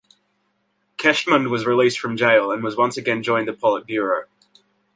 Keshtmand was released from jail, and was once again joined the Politburo.